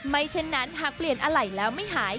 เช่นนั้นหากเปลี่ยนอะไรแล้วไม่หาย